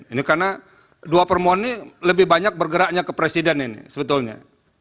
ini karena dua permohonan ini lebih banyak bergeraknya ke presiden ini sebetulnya